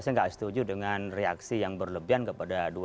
saya gak setuju dengan reaksi yang berlebihan kepada dua ratus dua belas